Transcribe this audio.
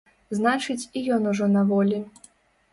Значыць, і ён ужо на волі.